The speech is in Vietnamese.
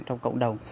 trong cộng đồng